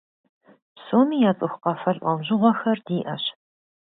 Псоми яцӀыху къафэ лӀэужьыгъуэхэр диӀэщ.